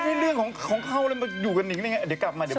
มันเป็นเรื่องของเขาเลยมันอยู่กับนิงได้ยังไงเดี๋ยวกลับมาปัง